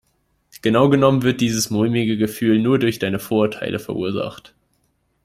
Genau genommen wird dieses mulmige Gefühl nur durch deine Vorurteile verursacht.